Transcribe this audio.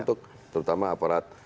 untuk terutama aparat